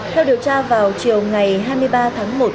theo điều tra vào chiều ngày hai mươi ba tháng một